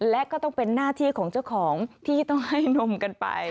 และก็ต้องเป็นหน้าที่ของเจ้าของที่ต้องให้นมกันไป